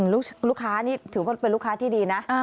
ลูกค้านี่ถือว่าเป็นลูกค้าที่ดีนะ